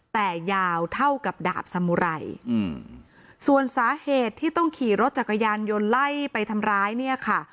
แต่ยาวเท่ากับดาบสมุไรอืมส่วนสาเหตุที่ต้องขี่รถจักรยานยนต์ไล่ไปทำร้ายเนี่ยค่ะ